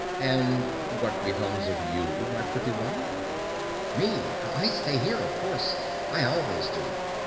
"And what becomes of you, my pretty one?" "Me! I stay here, of course. I always do."